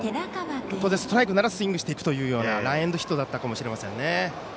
当然、ストライクならスイングしていくというランエンドヒットだったかも知れませんね。